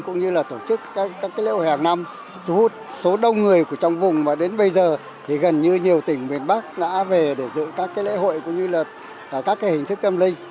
cũng như là tổ chức các lễ hội hàng năm thu hút số đông người trong vùng và đến bây giờ thì gần như nhiều tỉnh miền bắc đã về để giữ các lễ hội cũng như là các hình thức tâm linh